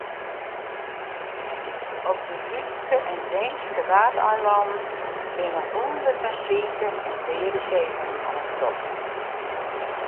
Op de Dútske en Deenske Waadeilannen binne hûnderten sike en deade seehûnen oantroffen.